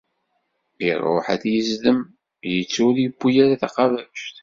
Iruḥ ad d-yezdem, yettu ur yewwi ara taqabact.